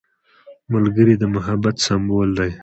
ملګری د محبت سمبول دی